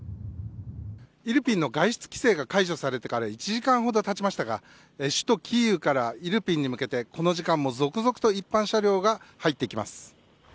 イルピンの外出規制が解除されてから１時間ほど経ちましたが首都キーウからイルピンに向けてこの時間も続々と一般車両が入ってきます。